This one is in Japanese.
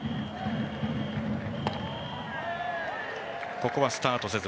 ここはスタートせず。